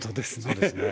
そうですね。